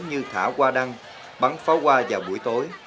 như thả qua đăng bắn pháo hoa vào buổi tối